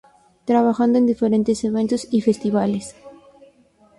Trabajando en diferentes eventos y festivales.